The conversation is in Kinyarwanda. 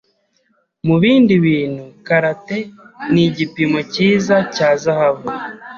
Mubindi bintu, karat ni igipimo cyiza cya zahabu.